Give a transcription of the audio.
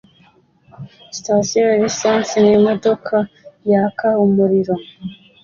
Sitasiyo ya lisansi n'imodoka yaka umuriro